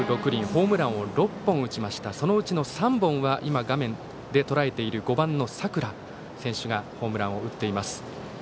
ホームランを６本打ちましたがそのうちの３本は今、画面でとらえている５番の佐倉選手がホームランを打っています。